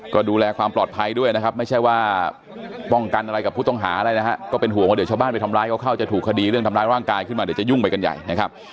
ก็ดูแลความปลอดภัยด้วยนะครับไม่ใช่ว่าป้องกันอะไรกับผู้ต้องหาอะไรนะฮะก็เป็นห่วงว่าเดี๋ยวชาวบ้านไปทำร้ายเขาเข้าจะถูกคดีเรื่องทำร้ายร่างกายขึ้นมาเดี๋ยวจะยุ่งไปกันใหญ่นะครับ